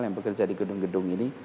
yang bekerja di gedung gedung ini